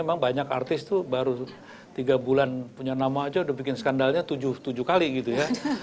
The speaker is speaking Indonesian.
memang banyak artis tuh baru tiga bulan punya nama aja udah bikin skandalnya tujuh kali gitu ya